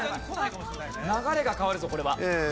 流れが変わるぞこれは。